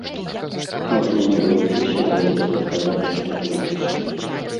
Можна не баючыся голасна казаць, што думаеш.